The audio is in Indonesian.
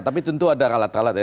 tapi tentu ada alat alat ya